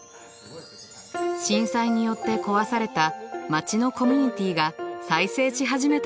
震災によって壊された町のコミュニティが再生し始めたのです。